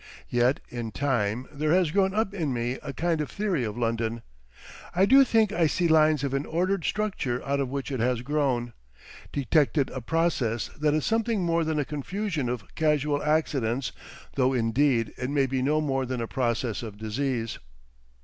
Yet in time there has grown up in me a kind of theory of London; I do think I see lines of an ordered structure out of which it has grown, detected a process that is something more than a confusion of casual accidents though indeed it may be no more than a process of disease.